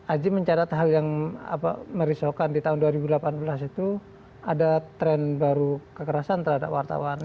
aji mencatat hal yang merisaukan di tahun dua ribu delapan belas itu ada tren baru kekerasan terhadap wartawan